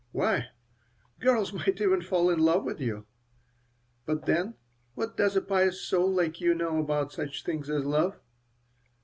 Why, girls might even fall in love with you. But then what does a pious soul like you know about such things as love?"